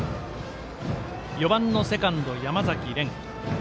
４番のセカンド、山崎漣音。